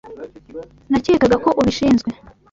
Nakekaga ko ubishinzwe.